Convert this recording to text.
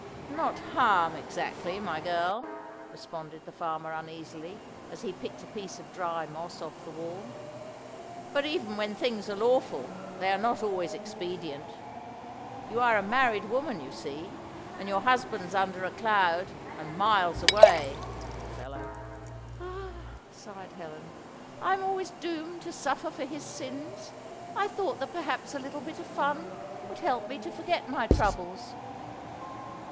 "No harm exactly, my girl," responded the farmer uneasily, as he picked a piece of dry moss off the wall. "But even when things are lawful, they are not always expedient. You are a married woman, you see, and your husband's under a cloud, and miles away poor fellow!" "Ah!" sighed Helen, "I'm always doomed to suffer for his sins! I thought that perhaps a little bit of fun would help me to forget my troubles."